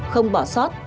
không bỏ sót